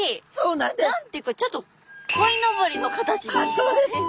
何て言うかちょっとこいのぼりの形に似てません？